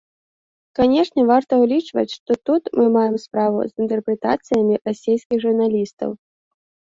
Канешне, варта ўлічваць, што тут мы маем справу з інтэрпрэтацыямі расейскіх журналістаў.